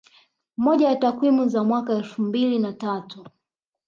Moja ya takwimu za mwaka elfu mbili na tatu